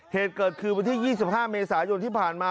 เหตุเกิดคือวันที่๒๕เมษายนที่ผ่านมา